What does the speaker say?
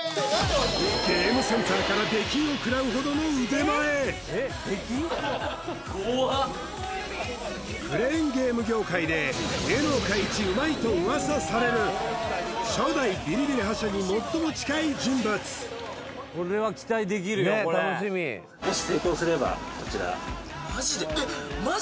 ゲームセンターから出禁をくらうほどの腕前クレーンゲーム業界で芸能界イチうまいと噂される初代ビリビリ覇者に最も近い人物こちらマジで？